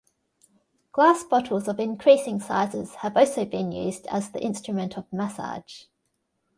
Glass bottles of increasing sizes have also been used as the instrument of massage.